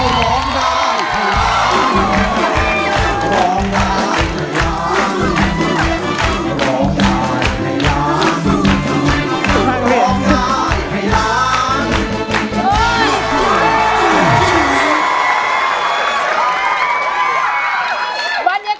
ร้องไจม์